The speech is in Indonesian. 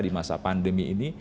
di masa pandemi ini